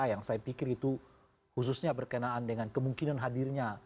yang saya pikir itu khususnya berkenaan dengan kemungkinan hadirnya